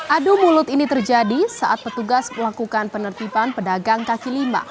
adu mulut ini terjadi saat petugas melakukan penertiban pedagang kaki lima